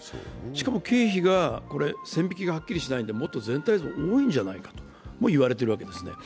しかも経費が、これ線引きがはっきりしないんで、もっと全体像多いんじゃないかとも言われているわけですね。